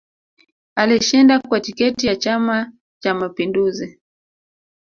Alishinda kwa tiketi ya chama cha mapinduzi